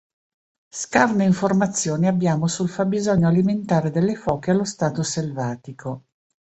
Scarne informazioni abbiamo sul fabbisogno alimentare delle foche allo stato selvatico.